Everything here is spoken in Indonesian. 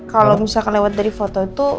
kalau misalkan lewat dari foto itu